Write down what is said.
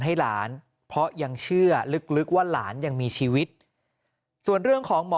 ให้หลานเพราะยังเชื่อลึกว่าหลานยังมีชีวิตส่วนเรื่องของหมอ